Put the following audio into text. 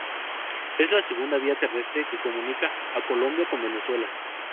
Es la segunda vía terrestre que comunica a Colombia con Venezuela.